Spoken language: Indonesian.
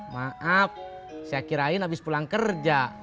maaf saya kirain abis pulang kerja